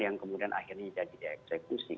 yang kemudian akhirnya jadi dieksekusi